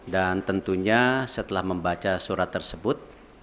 dan tentunya setelah membaca surat tersebut